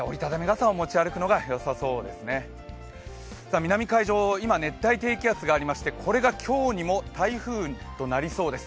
南海上、今、熱帯低気圧がありまして今日にも台風となりそうです。